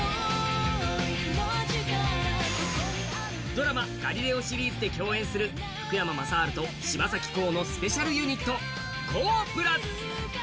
ドラマ「ガリレオ」シリーズで共演する福山雅治と柴咲コウのスペシャルユニット、ＫＯＨ＋。